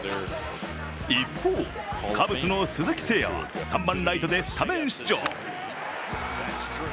一方、カブスの鈴木誠也は３番ライトでスタメン出場。